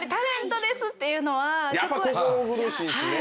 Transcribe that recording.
やっぱ心苦しいんすね。